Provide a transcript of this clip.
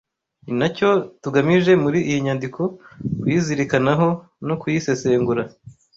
ni nacyo tugamije muri iyi nyandiko kuyizirikanaho no kuyisesengura